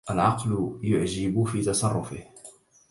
العقل يعجب في تصرفه